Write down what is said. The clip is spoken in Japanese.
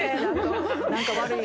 何か悪い。